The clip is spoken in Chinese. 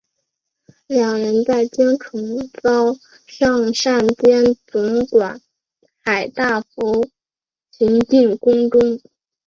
两人在京城遭尚膳监总管海大富擒进宫中。